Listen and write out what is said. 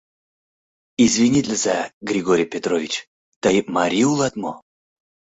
Извинитлыза, Григорий Петрович, тый марий улат мо?